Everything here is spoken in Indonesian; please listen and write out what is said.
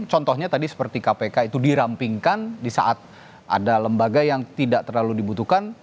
contohnya tadi seperti kpk itu dirampingkan di saat ada lembaga yang tidak terlalu dibutuhkan